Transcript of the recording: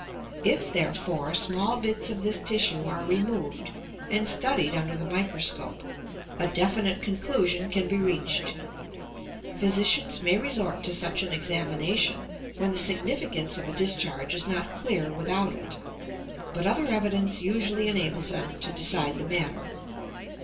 If, therefore, small bits of this tissue are removed and studied under the microscope, a definite conclusion can be reached. Physicians may resort to such an examination when the significance of a discharge is not clear without it; but other evidence usually enables them to decide the matter.